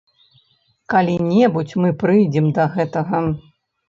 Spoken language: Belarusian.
Калі-небудзь мы прыйдзем да гэтага.